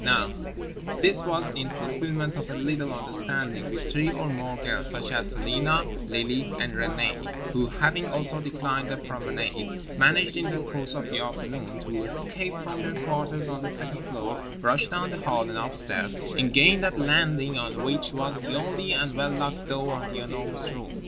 Now this was in fulfilment of a little understanding with three or more girls—such as Celina, Lily and Renée—who, having also declined the promenade, managed in the course of the afternoon to escape from their quarters on the second floor, rush down the hall and upstairs, and gain that landing on which was the only and well locked door to The Enormous Room.